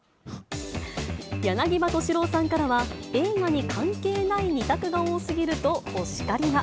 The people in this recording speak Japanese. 柳葉敏郎さんからは、映画に関係ない２択が多すぎると、お叱りが。